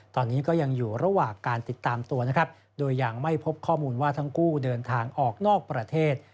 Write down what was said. ตอนนี้ก็ยังอยู่ระหว่างการติดตามตัวนะครับโดยยังไม่พบข้อมูลว่าทั้งคู่เดินทางออกนอกประเทศ